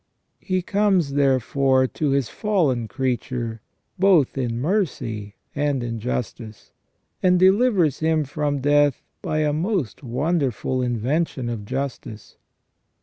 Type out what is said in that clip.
He comes, therefore, to His fallen creature both in mercy and in justice, and delivers him from death by a most wonderful invention of justice.